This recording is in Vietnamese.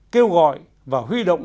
kêu gọi và huy động